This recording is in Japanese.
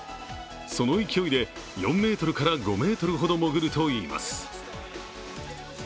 その勢いで４ｍから５ｍほど潜るといいます。